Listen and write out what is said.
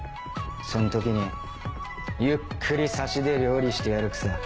その時にゆっくりサシで料理してやるくさ。